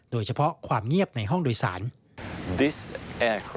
โดยเฉพาะความเงียบในห้องโดยสาร